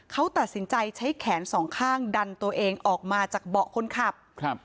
เขาตัดสินใจใช้แขนสองข้างดันตัวเองออกมาจากเบาะคนขับครับ